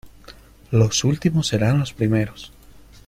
Los últimos serán los primeros.